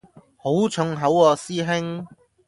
好重口喎師兄